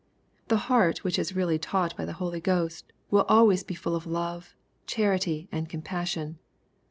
The heart which is really taught by the Holy Ghost, will always be full of love, charity, and compassion.